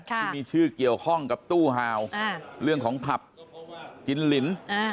ที่มีชื่อเกี่ยวข้องกับตู้ฮาวเรื่องของผับกินลิน